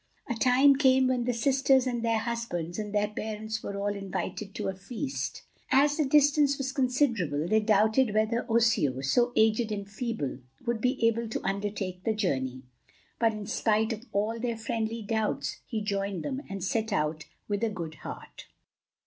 A time came when the sisters and their husbands and their parents were all invited to a feast. As the distance was considerable, they doubted whether Osseo, so aged and feeble, would be able to undertake the journey; but in spite of their friendly doubts, he joined them and set out with a good heart.